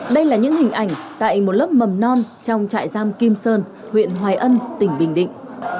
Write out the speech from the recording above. đây là những hình ảnh tại một lớp mầm non trong trại giam kim sơn huyện hoài ân tỉnh bình định